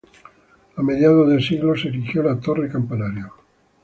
A mediados del siglo se erigió la torre campanario.